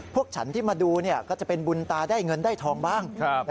พวกฉันที่มาดูก็จะเป็นบุญตาได้เงินได้ทองบ้าง